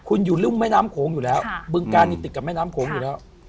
คุณอยู่ริมแม่น้ำโขงอยู่แล้วบึงการนี้ติดกับแม่น้ำโขงอยู่แล้ว